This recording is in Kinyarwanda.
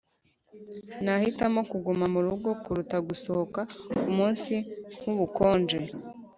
Nahitamo kuguma murugo kuruta gusohoka kumunsi nkubukonje